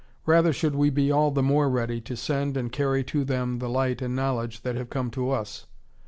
Rather should we be all the more ready to send and carry to them the light and knowledge that have come to us.